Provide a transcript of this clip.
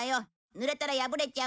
濡れたら破れちゃうの。